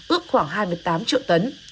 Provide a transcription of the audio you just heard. ước khoảng hai mươi tám triệu tấn